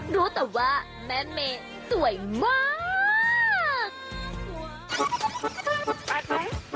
รู้แต่ว่าแม่เมย์สวยมาก